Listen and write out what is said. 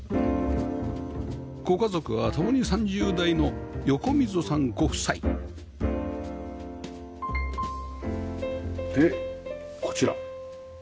ご家族は共に３０代の横溝さんご夫妻でこちら。